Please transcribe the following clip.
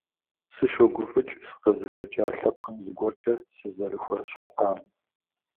Сыщогуфӏыкӏ сыкъызыхэкӏа лъэпкъым зыгуэркӏэ сызэрыхуэщхьэпам.